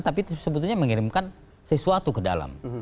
tapi sebetulnya mengirimkan sesuatu ke dalam